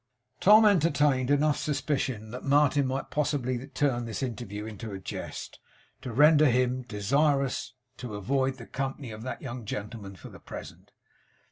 Tom entertained enough suspicion that Martin might possibly turn this interview into a jest, to render him desirous to avoid the company of that young gentleman for the present.